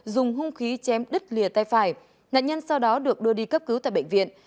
dùng hung khí chém đứt lìa tay phải nạn nhân sau đó được đưa đi cấp cứu tại bệnh viện